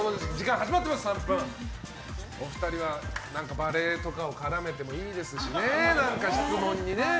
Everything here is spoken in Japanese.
お二人はバレーを絡めてもいいですし質問にね。